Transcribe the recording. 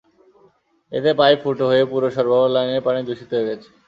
এতে পাইপ ফুটো হয়ে পুরো সরবরাহ লাইনের পানি দূষিত হয়ে গেছে।